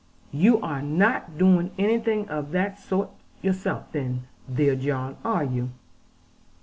'You are not doing anything of that sort yourself then, dear John, are you?'